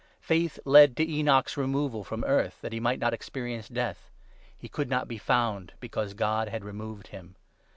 Faith led to Enoch's removal from earth, that he might not experi ence death. ' He could not be found because God had removed him.'